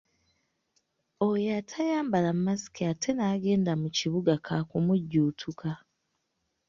Oyo atayambala masiki ate n’agenda mu kibuga kaakumujjuutuka.